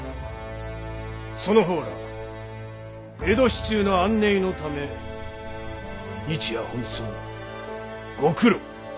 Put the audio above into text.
そのほうら江戸市中の安寧のため日夜奔走ご苦労。